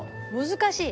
難しい。